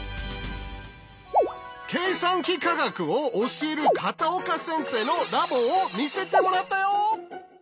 計算機科学を教える片岡先生のラボを見せてもらったよ。